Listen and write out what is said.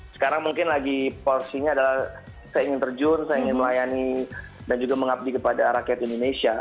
sekarang mungkin lagi porsinya adalah saya ingin terjun saya ingin melayani dan juga mengabdi kepada rakyat indonesia